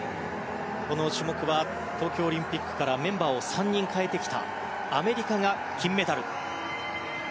この種目は東京オリンピックからメンバーを３人変えてきたアメリカが金メダル。